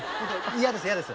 嫌です嫌です。